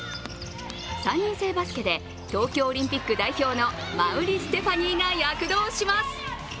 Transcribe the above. ３人制バスケで、東京オリンピック代表の馬瓜ステファニーが躍動します。